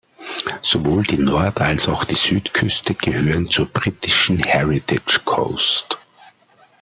Sowohl die Nord- als auch die Südküste gehören zur britischen Heritage Coast.